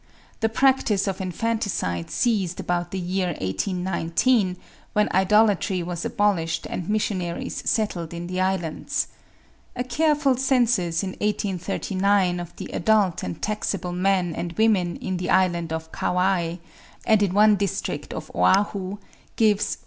The practice of infanticide ceased about the year 1819, when idolatry was abolished and missionaries settled in the Islands. A careful census in 1839 of the adult and taxable men and women in the island of Kauai and in one district of Oahu (Jarves, p.